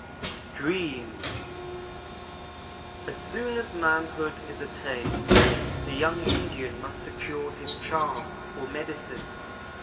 DREAMS As soon as manhood is attained, the young Indian must secure his "charm," or "medicine."